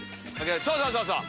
そうそうそうそう！